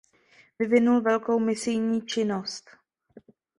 Vyvinul velkou misijní činnost.